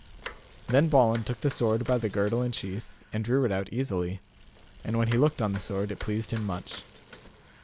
Then Balin took the sword by the girdle and sheath, and drew it out easily; and when he looked on the sword it pleased him much.